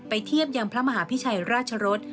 เทียบยังพระมหาพิชัยราชรส